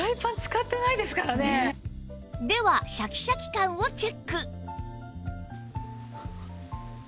ではシャキシャキ感をチェック